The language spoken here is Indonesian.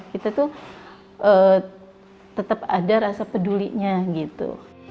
kita tuh tetap ada rasa pedulinya gitu